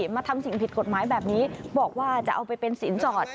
มาทำสิ่งผิดกฎหมายแบบนี้บอกว่าจะเอาไปเป็นสินสอด